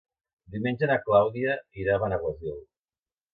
Diumenge na Clàudia irà a Benaguasil.